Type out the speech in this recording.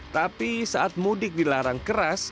tapi saat mudik dilarang keras